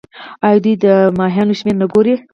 آیا دوی د کبانو شمیر نه ګوري؟